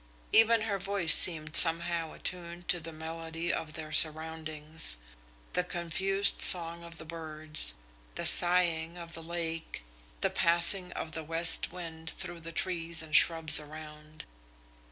Even her voice seemed somehow attuned to the melody of their surroundings, the confused song of the birds, the sighing of the lake, the passing of the west wind through the trees and shrubs around.